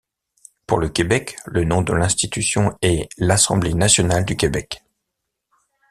Pour le Québec le nom de l'institution est l'Assemblée nationale du Québec.